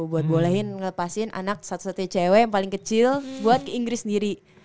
buat bolehin ngelepasin anak satu satunya cewek yang paling kecil buat ke inggris sendiri